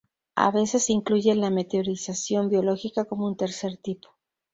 A veces se incluye la meteorización biológica como un tercer tipo.